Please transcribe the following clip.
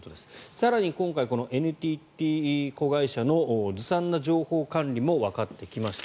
更に今回、このＮＴＴ子会社のずさんな情報管理もわかってきました。